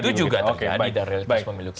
itu juga terjadi dari realitas pemilu kita